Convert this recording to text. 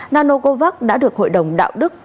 nanocovax đã được hội đồng đạo đức